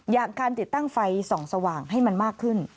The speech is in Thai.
อย่างการติดตั้งไฟส่องสว่างให้มันมากขึ้น